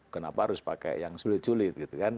kenapa harus pakai yang sulit sulit gitu kan